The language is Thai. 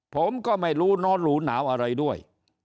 ผมก็ไม่รู้นอนหรูหนาวอะไรด้วย